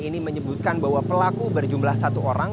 ini menyebutkan bahwa pelaku berjumlah satu orang